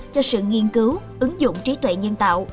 cho sự nghiên cứu ứng dụng trí tuệ nhân tạo